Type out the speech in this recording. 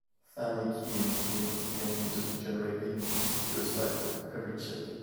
Family keying enables the end-user to generate a unique secure cipher for every chip.